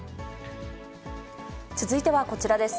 続いてはこちらです。